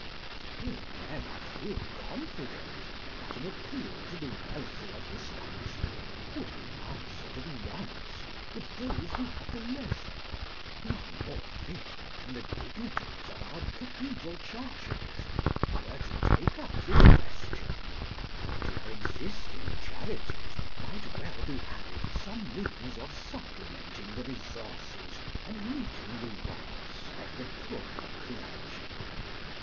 Here again I feel confident that an appeal to the wealthy of this country would be answered at once if those who have the leisure—none more fit than the dignitaries of our cathedral churches—were to take up this question, and to our existing charities might well be added some means of supplementing the resources and meeting the wants of the poorer clergy.